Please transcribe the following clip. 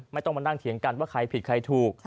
ไม่ต้องมานั่งเถียงกันว่าใครผิดใครถูก